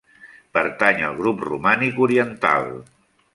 Pertany al grup romànic oriental.